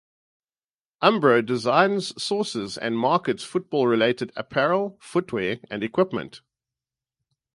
Umbro designs, sources, and markets football-related apparel, footwear, and equipment.